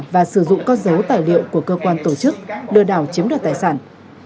và sử dụng con dấu tài liệu của cơ quan tổ chức lừa đảo chiếm đoạt tài sản